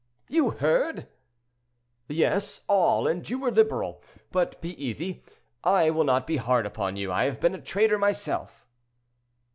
"You heard!" "Yes, all; and you were liberal. But be easy, I will not be hard upon you; I have been a trader myself."